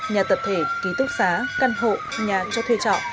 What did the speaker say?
nhà tập thể ký túc xá căn hộ nhà cho thuê trọ